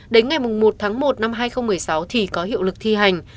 đến ngày một tháng một năm hai nghìn một mươi sáu thì có hiệu lực thi hành